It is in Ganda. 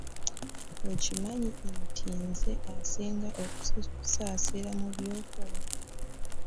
Okimanyi nti nze asinga okukusaasira mu by'okola.